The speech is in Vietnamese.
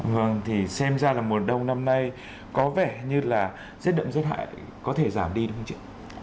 thường thì xem ra là mùa đông năm nay có vẻ như là rét đậm rét hại có thể giảm đi đúng không chịu